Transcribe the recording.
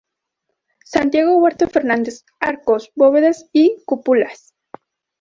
Santiago Huerta Fernández, "Arcos, bóvedas y cúpulas.